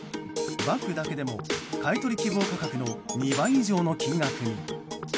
バッグだけでも買い取り希望価格の２倍以上の金額に。